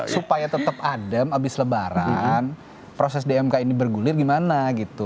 supaya tetap adem abis lebaran proses dmk ini bergulir gimana gitu